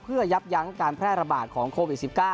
เพื่อยับยั้งการแพร่ระบาดของโควิด๑๙